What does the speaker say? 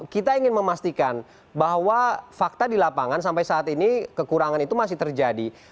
kita ingin memastikan bahwa fakta di lapangan sampai saat ini kekurangan itu masih terjadi